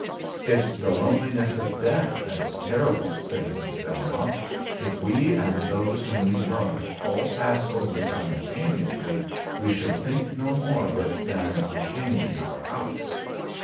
"It's the loneliness of death that is terrible," said Mrs. Belmont. "If we and those whom we loved all passed over simultaneously, we should think no more of it than of changing our house."